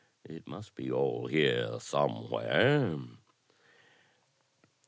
It must be all here somewhere."